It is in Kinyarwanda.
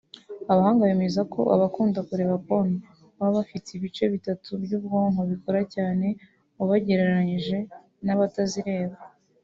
Abahanga bemeza ko abakunda kureba porn baba bafite ibice bitatu bw’ubwonko bikora cyane ubagereranije n’abatazireba